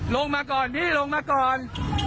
ลงมาก่อนพี่ลงมาก่อน